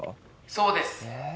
そうです。